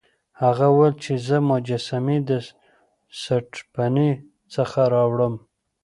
هغه وویل چې زه مجسمې له سټپني څخه راوړم.